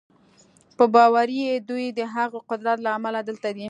په باور یې دوی د هغه قدرت له امله دلته دي